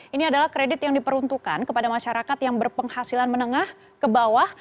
ini adalah kredit yang diperuntukkan kepada masyarakat yang berpenghasilan menengah ke bawah